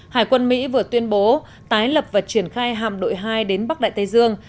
hải quân mỹ vừa tuyên bố tái lập và triển khai hạm đội hai đến bắc đại tây dương